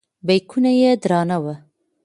بیکونه یې درانه وو.